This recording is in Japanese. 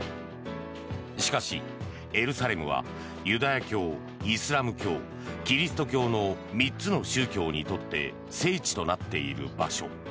しかし、エルサレムはユダヤ教イスラム教、キリスト教の３つの宗教にとって聖地となっている場所。